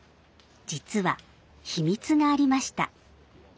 実は秘密がありました。